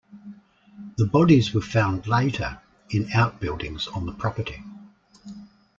The bodies were found later in outbuildings on the property.